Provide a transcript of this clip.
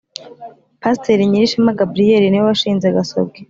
pasiteri nyirishema gabriel niwe washinze gasogi